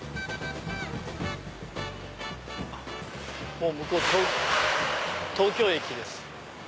もう向こう東京駅です。